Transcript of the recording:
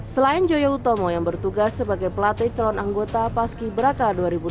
selain joyo utomo yang bertugas sebagai pelatih calon anggota paski braka dua ribu dua puluh